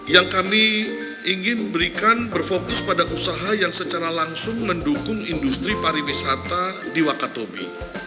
yang kami ingin berikan berfokus pada usaha yang secara langsung mendukung industri pariwisata di wakatobi